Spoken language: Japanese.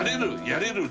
やれる！